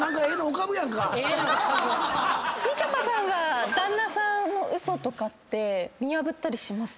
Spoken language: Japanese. みちょぱさんは旦那さんのウソとかって見破ったりします？